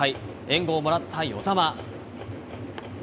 援護をもらった與座は。